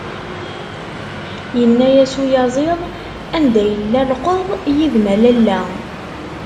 Yenna-as uyaziḍ. "Anda yella llqeḍ yid-m a lalla?"